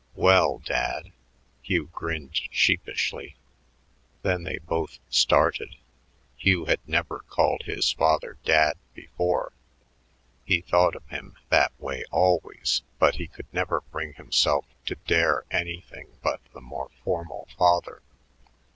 "Well, Dad." Hugh grinned sheepishly. Then they both started; Hugh had never called his father Dad before. He thought of him that way always, but he could never bring himself to dare anything but the more formal Father.